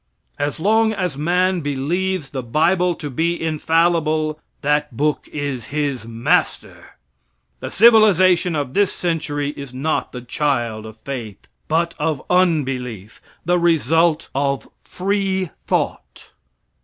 As long as man believes the bible to be infallible, that book is his master. The civilization of this century is not the child of faith, but of unbelief the result of free thought.